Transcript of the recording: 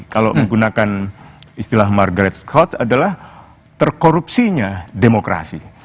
kalau menggunakan istilah margaret scott adalah terkorupsinya demokrasi